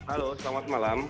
halo selamat malam